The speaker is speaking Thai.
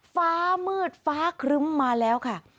ฟ้ามืดฟ้าครึ้มมาแล้วค่ะ